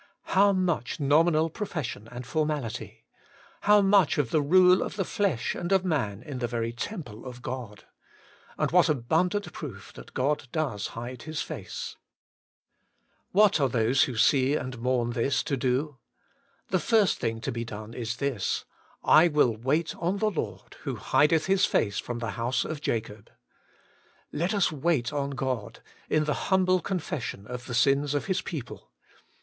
How much nominal profession and formality ! how much of the rule of the flesh and of man in the very temple of God ! And what abundant proof that God does hide His face ! What are those who see and mourn this to do 1 The first thing to be done is this :' I will wait on the Lord, who hideth His face from the house of Jacob.' Let us wait on God, in the humble confession of the sins of His people.